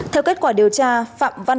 theo kết quả điều tra phạm văn tân tức là hoàng